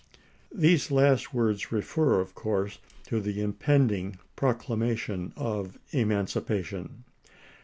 These last words refer, of course, to the impend ing proclamation of emancipation.